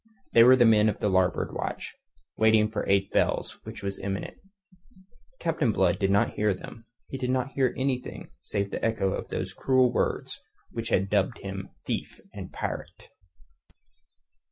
They were the men of the larboard watch, waiting for eight bells which was imminent. Captain Blood did not hear them; he did not hear anything save the echo of those cruel words which had dubbed him thief and pirate.